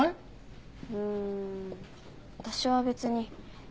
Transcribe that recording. うーん私は別に。